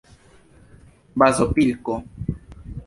bazopilko